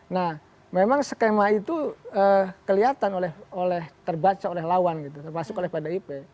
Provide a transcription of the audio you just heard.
nah memang skema itu kelihatan terbaca oleh lawan gitu termasuk oleh pdip